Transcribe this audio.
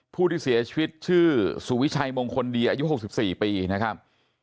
ผู้ที่เสียชีวิตชื่อสุวิชัยมงคลดีอายุ๖๔ปีนะครับ